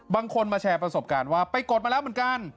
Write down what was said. บางคนมาแชร์ประสบการณ์ว่าไปกดมาแล้วเหมือนกัน